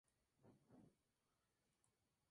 La rapera se pone en marcha cual si fuera un pitbull.